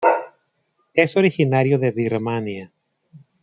Es originario de Birmania.